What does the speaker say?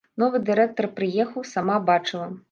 Новы дырэктар прыехаў, сама бачыла.